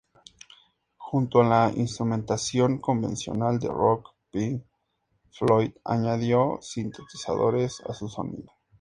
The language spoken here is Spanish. Junto a la instrumentación convencional de rock, Pink Floyd añadió sintetizadores a su sonido.